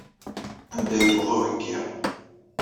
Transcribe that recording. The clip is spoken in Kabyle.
Anda yewweḍ uheggi?